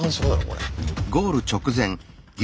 これ。